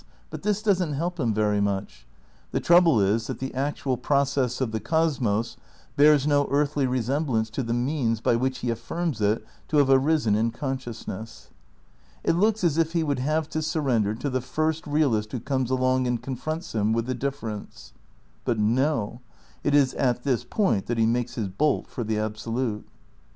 But this doesn't help him very much. The trouble is that the actual process of the cosmos bears no earthly resemblance to the means by which he affirms it to have arisen in consciousness. It looks as if he would have to surrender to the first realist who comes along and confronts him with the difference. But no. It is at this point that he makes his bolt for the Absolute.